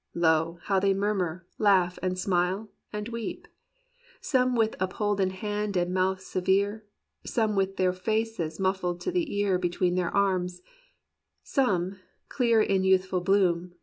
Lo! how they murmur, laugh, and smile, and weep: Some with upholden hand and mouth severe; Some with their faces muffled to the ear Between their arms; some, clear in youthful bloom.